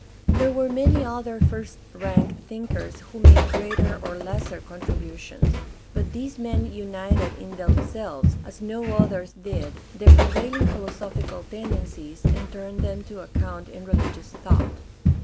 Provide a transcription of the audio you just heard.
There were many other first rank thinkers who made greater or lesser con tributions, but these men united in themselves, as no others did, the prevailing philosophical tendencies, and turned them to account in religious thought.